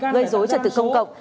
gây dối trật tự công cộng